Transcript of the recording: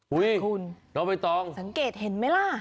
น้องใบตองสังเกตเห็นไหมล่ะ